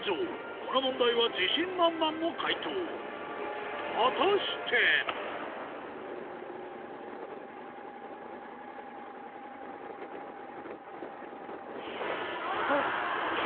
この問題は自信満々の解答果たして⁉えっ。